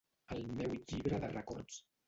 Al meu llibre de records